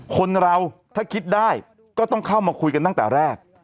คนเราถ้าคิดได้ก็ต้องเข้ามาคุยกันตั้งแต่แรก